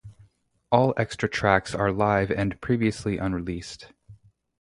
All extra tracks are live and previously unreleased.